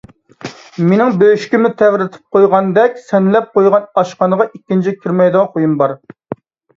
مېنىڭ بۆشۈكۈمنى تەۋرىتىپ قويغاندەك سەنلەپ قويغان ئاشخانىغا ئىككىنچى كىرمەيدىغان خۇيۇم بار.